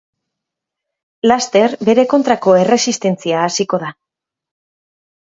Laster bere kontrako erresistentzia hasiko da.